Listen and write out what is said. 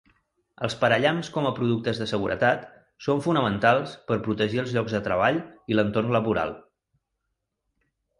Els parallamps com a productes de seguretat són fonamentals per protegir els llocs de treball i l"entorn laboral.